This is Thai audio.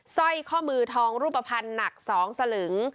สร้อยข้อมือทองรูปภัณฑ์หนัก๒สลึง